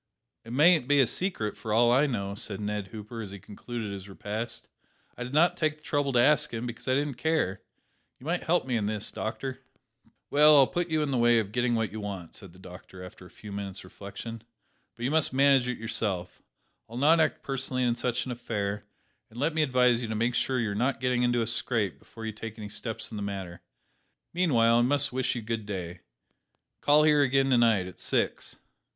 "It mayn't be a secret, for all I know," said Ned Hooper, as he concluded his repast. "I did not take the trouble to ask him; because I didn't care. You might help me in this, doctor." "Well, I'll put you in the way of getting what you want," said the doctor, after a few moments reflection; "but you must manage it yourself. I'll not act personally in such an affair; and let me advise you to make sure that you are not getting into a scrape before you take any steps in the matter. Meanwhile, I must wish you good day. Call here again to night, at six."